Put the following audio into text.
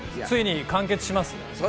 ついに完結します。